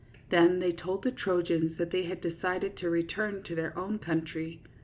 Then they told the Trojans that they had decided to return to their own country.